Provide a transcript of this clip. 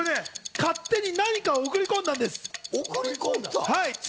勝手に何かを送り込んだんです。